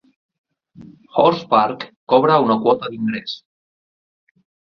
Horse Park cobra una quota d'ingrés.